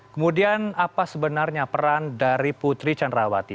kemudian apa sebenarnya peran dari putri candrawati